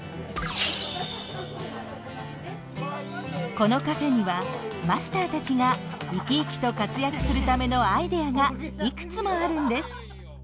このカフェにはマスターたちが生き生きと活躍するためのアイデアがいくつもあるんです！